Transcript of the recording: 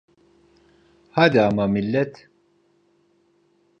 Hadi ama millet.